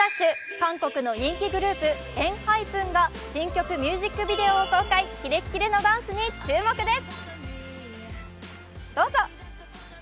韓国の人気グループ、ＥＮＨＹＰＥＮが新曲ミュージックビデオを公開、キレッキレのダンスに注目です。